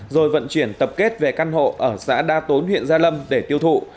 rồi vận chuyển tập kết về căn hộ ở xã đa tốn huyện gia lâm để tiêu thụ